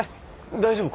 大丈夫か？